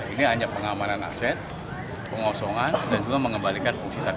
ini hanya pengamanan aset pengosongan dan juga mengembalikan fungsi taksi